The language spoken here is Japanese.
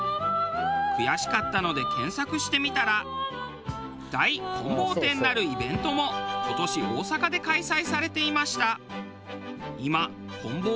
悔しかったので検索してみたら「大棍棒展」なるイベントも今年大阪で開催されていました。